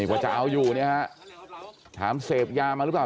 คุณผู้นี้ฮะถามเสพยามาหรือเปล่า